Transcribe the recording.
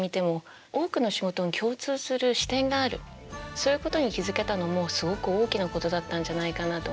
そういうことに気付けたのもすごく大きなことだったんじゃないかなと思います。